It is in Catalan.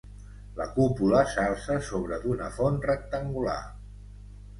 La cúpula s'alça sobre d'una font rectangular.